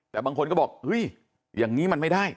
แต่บางคนก็บอกเฮ้ยอย่างนี้มันไม่ได้